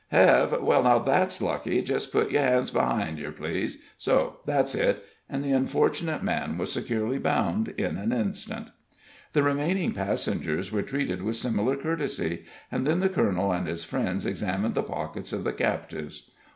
"Hev? Well, now, that's lucky. Jest put yer hands behind yer, please so that's it." And the unfortunate man was securely bound in an instant. The remaining passengers were treated with similar courtesy, and then the colonel and his friends examined the pockets of the captives.